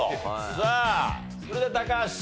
さあそれでは高橋。